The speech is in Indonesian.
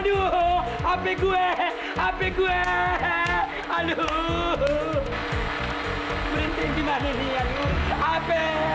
aduh handphone gue handphone gue aduh berhenti dimana nih handphone